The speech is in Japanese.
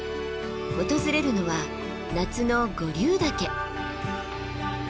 訪れるのは夏の五竜岳。